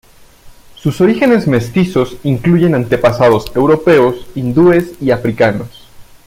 Sus orígenes mestizos incluyen antepasados europeos, hindúes y africanos.